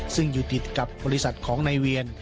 ซึ่งอยู่ติดกับบริษัทของนายเวียน